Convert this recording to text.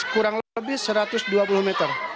kurang lebih satu ratus dua puluh meter